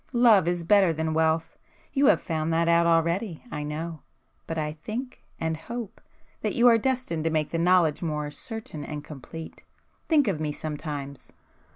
Love is better than wealth,—you have found that out already I know!—but I think—and hope—that you are destined to make the knowledge more certain and complete! Think of me sometimes!